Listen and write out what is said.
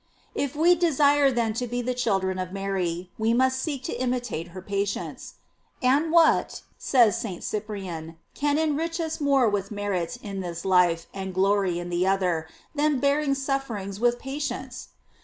f If we desire then to be the children of Mary, we must seek to imitate her patience. And what, says St. Cyprian, can enrich us more with merit in this life, and glory in the other, than bearing sufferings with patience?